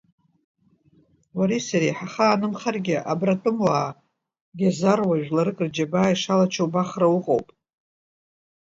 Уареи сареи ҳахаанымхаргьы, абра атәымуаа гьазаруа, жәларык рџьабаа ишалачо убахра уҟоуп.